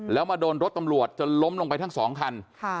แล้วมาโดนรถตำรวจจนล้มลงไปทั้งสองคัน